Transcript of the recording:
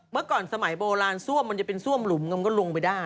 เมื่อก่อนสมัยโบราณซ่วมมันจะเป็นซ่วมหลุมมันก็ลงไปได้